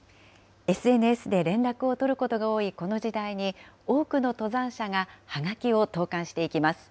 ＳＮＳで連絡を取ることが多いこの時代に、多くの登山者がはがきを投かんしていきます。